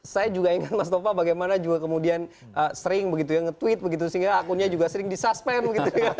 saya juga ingat mas topa bagaimana juga kemudian sering begitu ya nge tweet begitu sehingga akunnya juga sering disuspend gitu ya